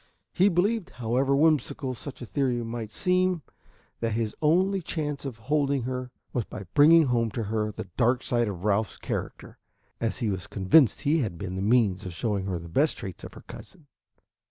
He believed, however whimsical such a theory might seem, that his only chance of holding her was by bringing home to her the dark side of Ralph's character, as he was convinced he had been the means of showing her the best traits of her cousin.